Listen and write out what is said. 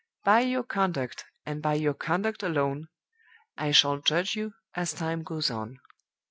By your conduct, and by your conduct alone, I shall judge you as time goes on.